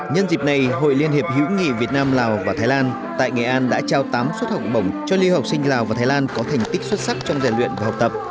nhân dịp này hội liên hiệp hữu nghị việt nam lào và thái lan tại nghệ an đã trao tám suất học bổng cho lưu học sinh lào và thái lan có thành tích xuất sắc trong rèn luyện và học tập